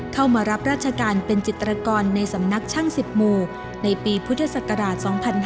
เข้ามารับราชการเป็นจิตรกรในสำนักช่าง๑๐หมู่ในปีพุทธศักราช๒๕๕๙